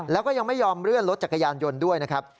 แล้วก็ยังไม่ยอมเลื่อนรถจักรยานยนต์ด้วยนะครับ